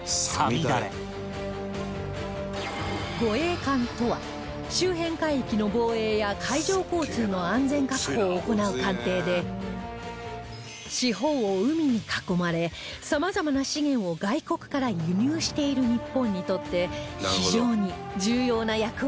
護衛艦とは周辺海域の防衛や海上交通の安全確保を行う艦艇で四方を海に囲まれ様々な資源を外国から輸入している日本にとって非常に重要な役割を担っています